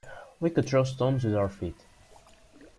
We could throw stones with our feet.